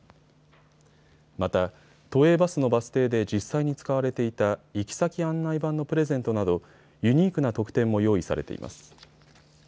また都営バスのバス停で実際に使われていた行き先案内板のプレゼントなど、ユニークな特典も用意されています。